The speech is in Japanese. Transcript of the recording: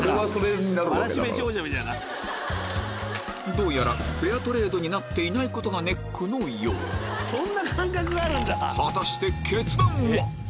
どうやらフェアトレードになっていないことがネックのよううん。